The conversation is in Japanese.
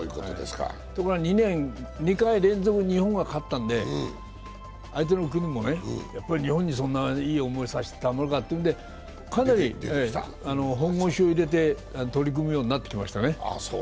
ところが２回連続、日本が勝ったので相手の国もやっぱり日本にそんないい思いさせてたまるかとかなり本腰を入れて取り組むようになってきましたね。